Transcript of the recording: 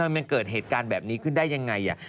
มันเกิดเหตุการณ์แบบนี้ขึ้นได้ยังไง